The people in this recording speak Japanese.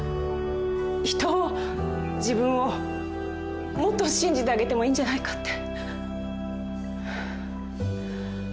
人を自分をもっと信じてあげてもいいんじゃないかって。